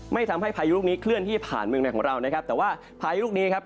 ทำให้พายุลูกนี้เคลื่อนที่ผ่านเมืองในของเรานะครับแต่ว่าพายุลูกนี้ครับ